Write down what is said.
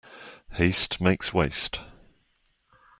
Haste makes waste.